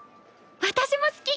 私も好き！